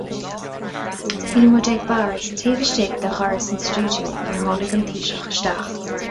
Bhí muid ag bord taobh istigh de dhoras an stiúideo nuair a tháinig an Taoiseach isteach.